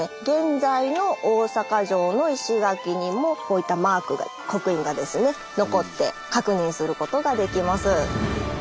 現在の大阪城の石垣にもこういったマークが刻印がですね残って確認することができます。